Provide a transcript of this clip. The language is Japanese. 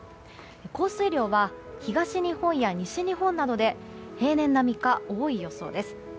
降水量は、東日本や西日本などで平年並みか多い予想です。